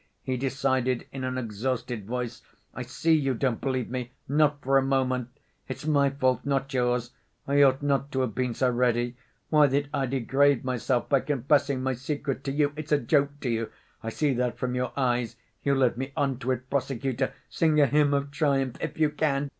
he decided, in an exhausted voice. "I see you don't believe me! Not for a moment! It's my fault, not yours. I ought not to have been so ready. Why, why did I degrade myself by confessing my secret to you? It's a joke to you. I see that from your eyes. You led me on to it, prosecutor? Sing a hymn of triumph if you can....